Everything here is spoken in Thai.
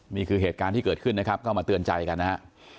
นี่คือเหตุการณ์ที่เกิดขึ้นนะครับก็มาเตือนใจกันนะฮะ